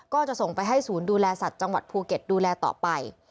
ก็จะส่งไปให้ศูนย์ดูแลสัตว์จังหวัดภูเก็ตดูแลต่อไป